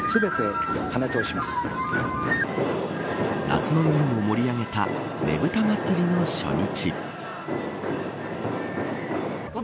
夏の夜を盛り上げたねぶた祭の初日。